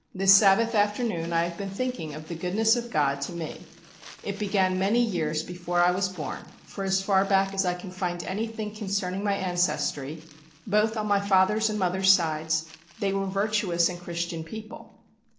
This Sabbath afternoon I have been thinking of the goodness of God to me. It began many years before I was born; for as far back as I can find anything concerning my ancestry, both on my father's and mother's sides, they were virtuous and Christian people.